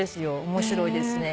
面白いですね。